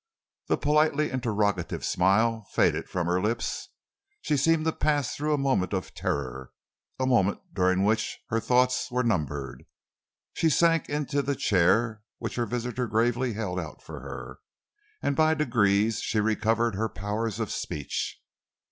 The politely interrogative smile faded from her lips. She seemed to pass through a moment of terror, a moment during which her thoughts were numbed. She sank into the chair which her visitor gravely held out for her, and by degrees she recovered her powers of speech.